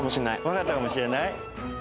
分かったかもしれない？